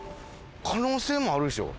可能性もあるでしょ。